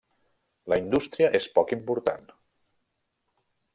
La indústria és poc important.